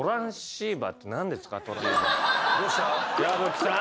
矢吹さん！